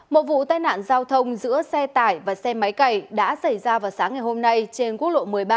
một vụ tai nạn giao thông giữa xe tải và xe máy cày đã xảy ra vào sáng ngày hôm nay trên quốc lộ một mươi ba